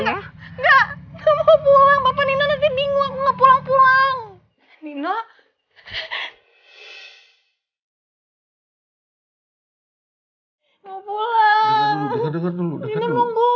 assalamualaikum warahmatullahi wabarakatuh